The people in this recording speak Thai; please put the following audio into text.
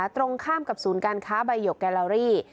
ตรงข้ามกับศูนย์การค้าใบหยกแกลารี่